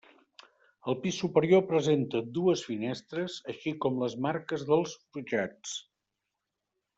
El pis superior presenta dues finestres així com les marques dels forjats.